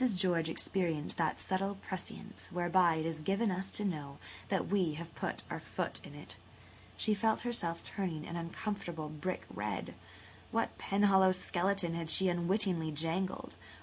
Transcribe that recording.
George experienced that subtle prescience whereby it is given us to know that we have put our foot in it. She felt herself turning an uncomfortable brick red. What Penhallow skeleton had she unwittingly jangled?